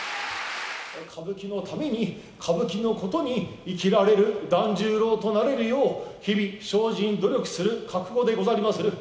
歌舞伎のために、歌舞伎のことに生きられる團十郎となれるよう、日々精進、努力する覚悟でござりまする。